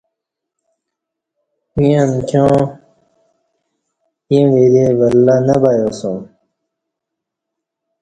ییں امکیاں ایںہ ورے ولہ نہ بیاسُوم چہ